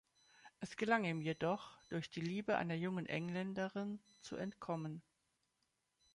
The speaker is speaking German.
Es gelang ihm jedoch, durch die Liebe einer jungen Engländerin, zu entkommen.